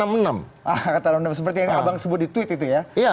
angkatan enam puluh enam seperti yang abang sebut di tweet itu ya